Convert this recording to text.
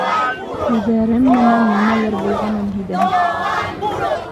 Күҙәрем менән нимәлер булғанын һиҙәм